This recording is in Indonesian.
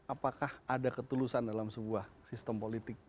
apakah ada ketulusan dalam sebuah sistem politik